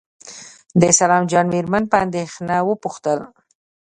د سلام جان مېرمن په اندېښنه وپوښتل.